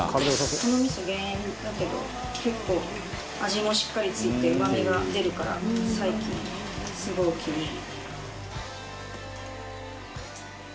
このみそ、減塩だけど結構、味もしっかりついてうまみが出るから最近、すごいお気に入り。